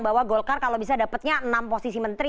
ketua umum partai golkar kalau bisa dapatnya enam posisi menteri